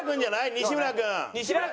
西村君。